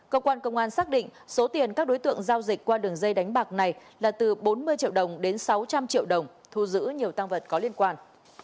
cơ quan công an xác định số tiền các đối tượng giao dịch qua đường dây đánh bạc này là từ bốn mươi triệu đồng đến sáu trăm linh triệu đồng thu giữ nhiều tăng vật có liên quan